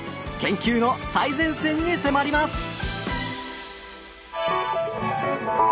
研究の最前線に迫ります！